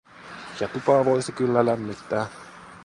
Ja tupaa voisi kyllä lämmittää.